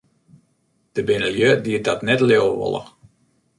Der binne lju dy't dat net leauwe wolle.